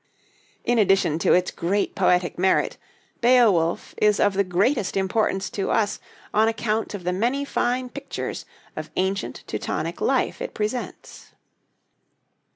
In addition to its great poetic merit, 'Beowulf' is of the greatest importance to us on account of the many fine pictures of ancient Teutonic life it presents.